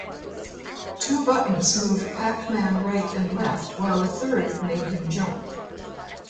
Two buttons moved Pac-Man right and left while third made him jump.